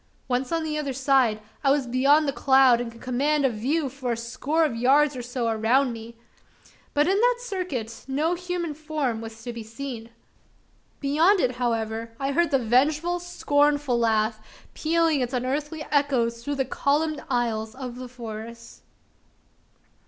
Once on the other side, I was beyond the cloud, and could command a view for a score of yards or so around me; but, in that circuit, no human form was to be seen! Beyond it, however, I heard the vengeful, scornful, laugh, pealing its unearthly echoes through the columned aisles of the forest!